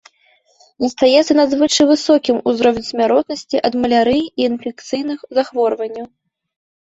Застаецца надзвычай высокім узровень смяротнасці ад малярыі і інфекцыйных захворванняў.